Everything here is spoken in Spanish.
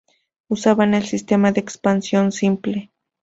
Usaban el sistema de expansión simple.